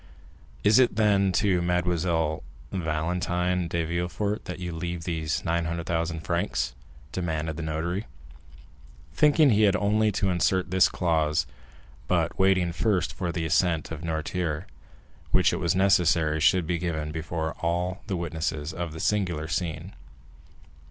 "Is it, then, to Mademoiselle Valentine de Villefort that you leave these 900,000 francs?" demanded the notary, thinking he had only to insert this clause, but waiting first for the assent of Noirtier, which it was necessary should be given before all the witnesses of this singular scene.